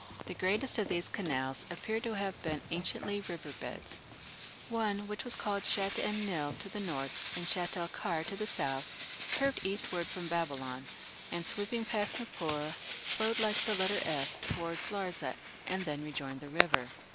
The greatest of these canals appear to have been anciently river beds. One, which is called Shatt en Nil to the north, and Shatt el Kar to the south, curved eastward from Babylon, and sweeping past Nippur, flowed like the letter S towards Larsa and then rejoined the river.